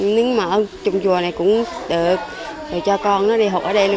nếu mà ở trong chùa này cũng được cho con nó đi học ở đây